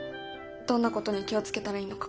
どんなことに気を付けたらいいのか。